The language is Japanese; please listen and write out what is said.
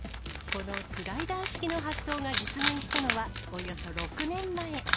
このスライダー式の発想が実現したのはおよそ６年前。